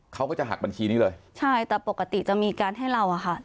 เขาก็จะหักบัญชีนี้เลยใช่แต่ปกติจะมีการให้เราอะค่ะ